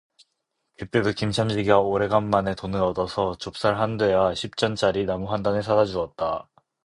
그때도 김첨지가 오래간만에 돈을 얻어서 좁쌀 한 되와 십 전짜리 나무 한 단을 사다 주었다